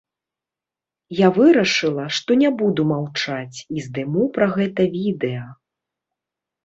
Я вырашыла што не буду маўчаць і здыму пра гэта відэа.